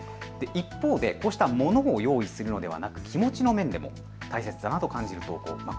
一方でこういった物を用意するのではなく気持ちの面でも大切だなと感じることもありました。